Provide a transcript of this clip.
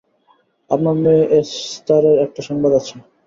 আপনার মেয়ে এস্থারের একটা সংবাদ আছে।